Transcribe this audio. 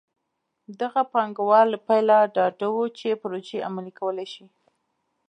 دغه پانګوال له پیله ډاډه وو چې پروژې عملي کولی شي.